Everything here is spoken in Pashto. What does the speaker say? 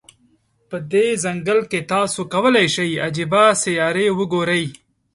په دې ځنګل کې، تاسو کولای شی عجيبې سیارې وګوری.